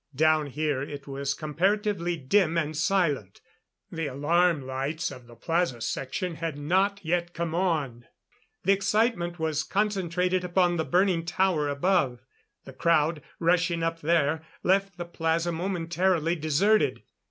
Down here it was comparatively dim and silent. The alarm lights of the plaza section had not yet come on; the excitement was concentrated upon the burning tower above. The crowd, rushing up there, left the plaza momentarily deserted.